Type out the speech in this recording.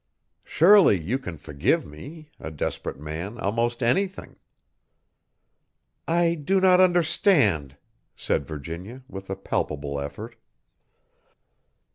"Surely you can forgive me, a desperate man, almost anything?" "I do not understand," said Virginia, with a palpable effort.